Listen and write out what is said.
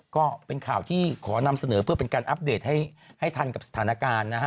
ก็เป็นข่าวที่ขอนำเสนอเพื่อเป็นการอัปเดตให้ทันกับสถานการณ์นะฮะ